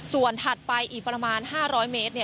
ส่วนถัดไปอีกประมาณ๕๐๐เมตร